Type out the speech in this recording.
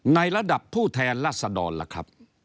ในระดับผู้แทนรัศดรล่ะครับ